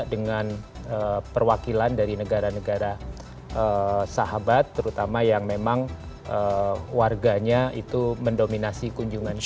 dengan perwakilan dari negara negara sahabat terutama yang memang warganya itu mendominasi kunjungan ke indonesia